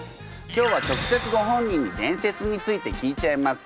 今日は直接ご本人に伝説について聞いちゃいます。